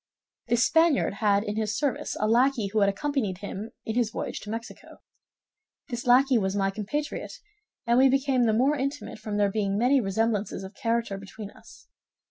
"This Spaniard had in his service a lackey who had accompanied him in his voyage to Mexico. This lackey was my compatriot; and we became the more intimate from there being many resemblances of character between us.